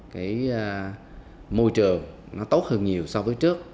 cái môi trường nó tốt hơn nhiều so với trước